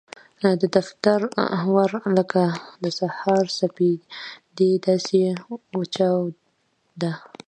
د دفتر ور لکه د سهار سپېدې داسې وچاوده.